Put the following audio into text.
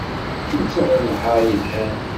Netta d anehhaṛ yelhan.